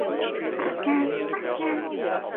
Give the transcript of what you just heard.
He was survived by his widow Janet, and seven children.